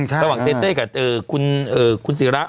ระหว่างเต้เต้กับคุณศิระ